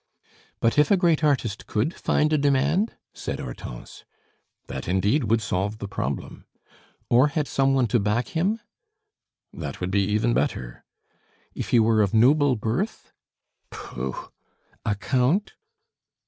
"But if a great artist could find a demand?" said Hortense. "That indeed would solve the problem." "Or had some one to back him?" "That would be even better." "If he were of noble birth?" "Pooh!" "A Count."